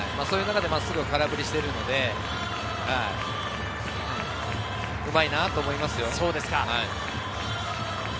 そういう中で真っすぐを空振りしてるので、うまいなと思いますよ。